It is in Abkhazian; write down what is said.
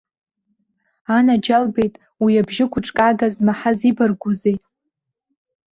Анаџьалбеит, уи абжьы гәыҿкаага змаҳаз ибаргәузеи?